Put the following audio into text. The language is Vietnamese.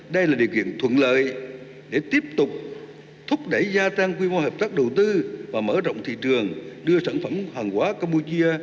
đây là điều kiện thuận lợi để tiếp tục thúc đẩy gia tăng quy mô hợp tác đầu tư và mở rộng thị trường đưa sản phẩm hàng hóa campuchia